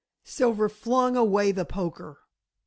Silver flung away the poker.